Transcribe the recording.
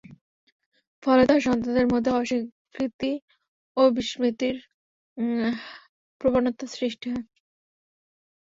ফলে তার সন্তানদের মধ্যে অস্বীকৃতি ও বিস্মৃতির প্রবণতা সৃষ্টি হয়।